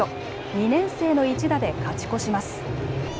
２年生の一打で勝ち越します。